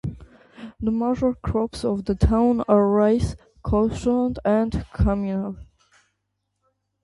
The major crops of the town are rice, coconut and calamansi.